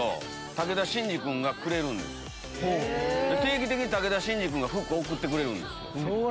定期的に武田真治君が服送ってくれるんですよ。